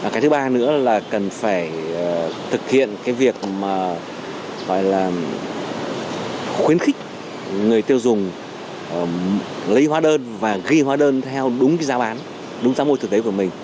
cái thứ ba nữa là cần phải thực hiện cái việc mà gọi là khuyến khích người tiêu dùng lấy hóa đơn và ghi hóa đơn theo đúng cái giá bán đúng giá mua thực tế của mình